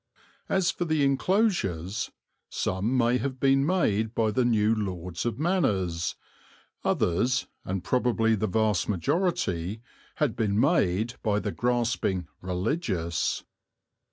As for the enclosures, some may have been made by the new lords of manors; others, and probably the vast majority, had been made by the grasping "religious."